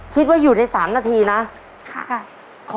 คิดว่าอยู่ในสามนาทีน่ะค่ะค่ะ